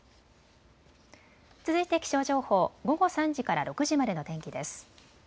続いて気象情報、午後３時から６時までの天気です。